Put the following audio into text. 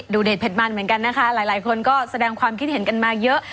เด็ดเผ็ดมันเหมือนกันนะคะหลายคนก็แสดงความคิดเห็นกันมาเยอะ